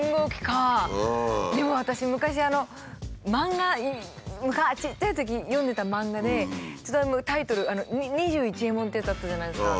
でも私昔漫画昔ちっちゃいとき読んでた漫画でちょっとタイトル「２１エモン」ってやつあったじゃないですか。